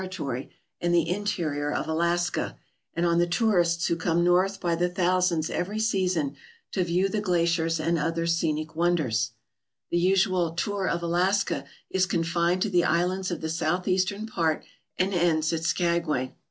SKAGWAY, THE GATE TO THE KLONDIKE the tourists who come north by the thousands every season to view the glaciers and other scenic wonders. The usual "tour of Alaska" is confined to the islands of the southeastern part and ends at Skagway.